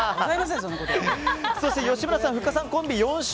そして、吉村さんふっかさんコンビ４勝。